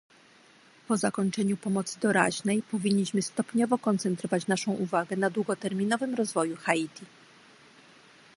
Po zakończeniu pomocy doraźnej powinniśmy stopniowo koncentrować naszą uwagę na długoterminowym rozwoju Haiti